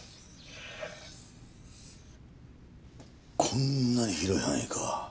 こんなに広い範囲か。